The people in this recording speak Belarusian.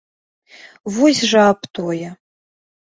Вось жа аб тое.